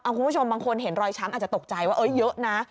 คุณผู้ชมบางคนเห็นรอยช้ำอาจจะตกใจว่าเยอะนะ